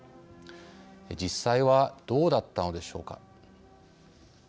実際はどうだったのでしょうか。